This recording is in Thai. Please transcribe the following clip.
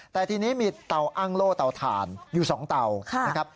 แต่ทีนี้มีเตาอ้างโล่เตาถ่านอยู่๒เตานะครับ